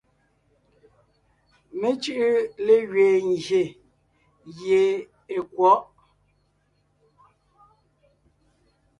Mé cʉ́ʼʉ légẅiin ngyè gie è kwɔ̌ʼ.